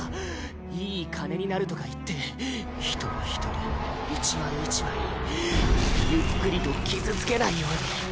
いい金になるとかいって一人一人一枚一枚ゆっくりと傷付けないように。